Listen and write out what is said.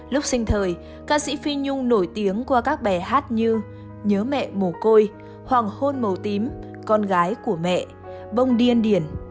lúc sinh thời ca sĩ phi nhung nổi tiếng qua các bài hát như nhớ mẹ mồ côi hoàng hôn màu tím con gái của mẹ bông điên điển